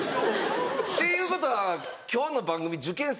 っていうことは今日の番組受験生